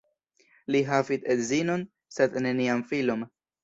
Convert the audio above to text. Li havis edzinon sed neniam filon.